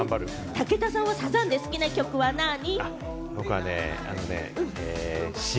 武田さんはサザンで好きな曲ってなあに？